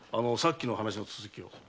さっきの話の続きを。